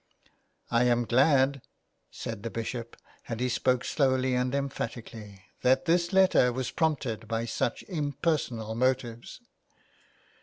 *' I am glad," said the Bishop, and he spoke slowly and emphatically, '' that this letter was prompted by such impersonal motives."